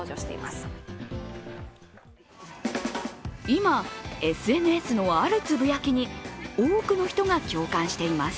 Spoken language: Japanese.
今、ＳＮＳのあるつぶやきに多くの人が共感しています。